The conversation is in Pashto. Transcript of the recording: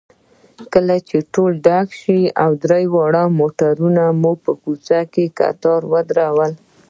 کله چې ټول ډک شول، درې واړه موټرونه مو په کوڅه کې کتار ودرول.